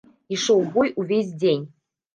Ішоў бой увесь дзень.